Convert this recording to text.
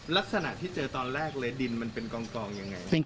ลักษณะที่เจอตอนแรกเลยดินมันเป็นกองยังไง